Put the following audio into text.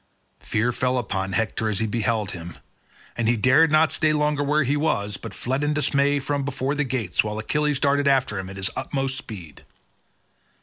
Fear fell upon Hector as he beheld him, and he dared not stay longer where he was but fled in dismay from before the gates, while Achilles darted after him at his utmost speed.